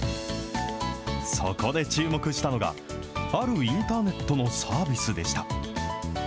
そこで注目したのが、あるインターネットのサービスでした。